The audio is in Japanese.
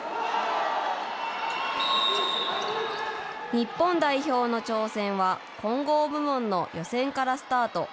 日本代表の挑戦は混合部門の予選からスタート。